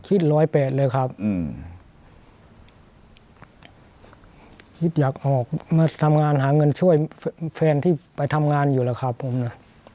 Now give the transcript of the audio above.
ร้อยแปดเลยครับอืมคิดอยากออกมาทำงานหาเงินช่วยแฟนที่ไปทำงานอยู่แล้วครับผมนะ